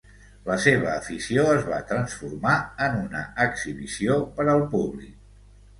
La seva afició es va transformar en una exhibició per al públic.